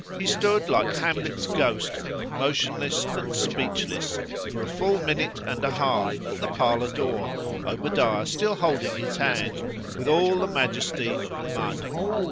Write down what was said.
—He stood like Hamlet's ghost, motionless and speechless, for a full minute and a half at the parlour door (Obadiah still holding his hand) with all the majesty of mud.